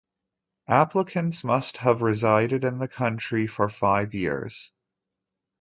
Applicants must have resided in the country for five years.